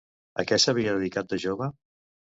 A què s'havia dedicat de jove?